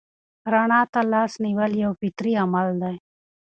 رڼا ته لاس نیول یو فطري عمل دی.